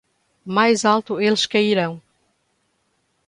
Mais alto eles caíram.